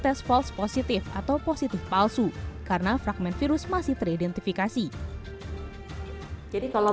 tes false positif atau positif palsu karena fragment virus masih teridentifikasi jadi kalau